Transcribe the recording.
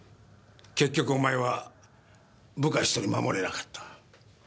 結局お前は部下１人守れなかった。